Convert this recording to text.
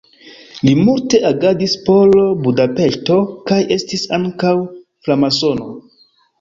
Li multe agadis por Budapeŝto kaj estis ankaŭ framasono.